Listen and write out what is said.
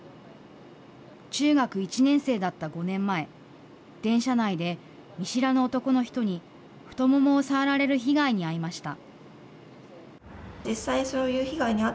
中学１年生だった５年前、電車内で、、見知らぬ男の人に太ももを触られる被害に遭いました。